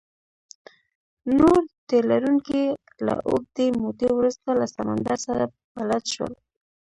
نور تي لرونکي له اوږدې مودې وروسته له سمندر سره بلد شول.